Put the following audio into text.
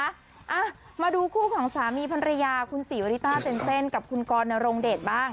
อ่ะมาดูคู่ของสามีภรรยาคุณศรีวริต้าเจนเซ่นกับคุณกรนรงเดชบ้าง